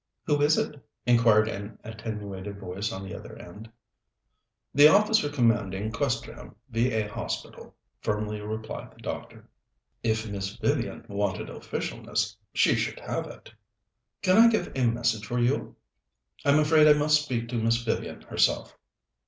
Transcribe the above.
"Who is it?" inquired an attenuated voice at the other end. "The Officer Commanding Questerham V.A. Hospital," firmly replied the doctor. If Miss Vivian wanted officialness, she should have it. "Can I give a message for you?" "I'm afraid I must speak to Miss Vivian herself."